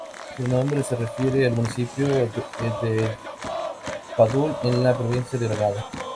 Su nombre se refiere al municipio de El Padul, en la provincia de Granada.